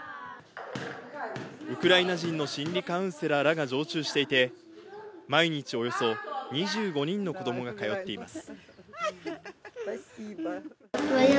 ウクライナ人の心理カウンセラーらが常駐していて、毎日、およそ２５人の子どもが通っています。